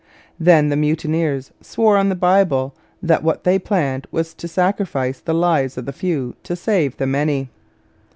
Then the mutineers swore on the Bible that what they planned was to sacrifice the lives of the few to save the many.